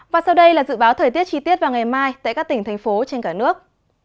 và sau đây là dự báo thời tiết chi tiết vào ngày mai tại các tỉnh thành phố trên cả nước